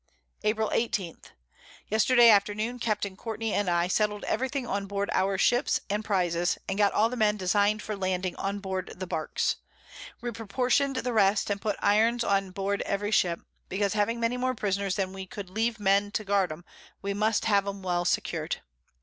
[Sidenote: The Isle of Puna.] April 18. Yesterday Afternoon Capt. Courtney and I settl'd every thing on board our Ships and Prizes, and got all the Men design'd for Landing on board the Barks. We proportion'd the rest, and put Irons on board every Ship, because having many more Prisoners than we could leave Men to guard 'em, we must have 'em well secur'd.